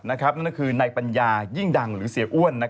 นั่นก็คือในปัญญายิ่งดังหรือเสียอ้วน